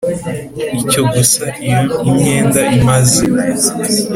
icyo gusa Iyo imyenda imaze